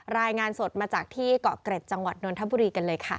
รายงานสดมาจากที่เกาะเกร็ดจังหวัดนทบุรีกันเลยค่ะ